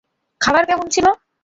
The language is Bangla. খাবার কেমন ছিল?